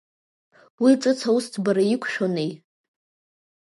Уи ҿыц аусӡбара иқәшәонеи.